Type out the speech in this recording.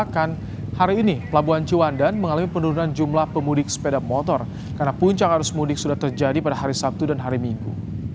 karena puncak arus mudik sudah terjadi pada hari sabtu dan hari minggu